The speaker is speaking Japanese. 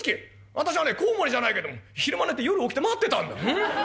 私はねこうもりじゃないけども昼間寝て夜起きて待ってたんだ。